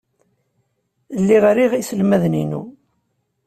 Lliɣ riɣ iselmaden-inu.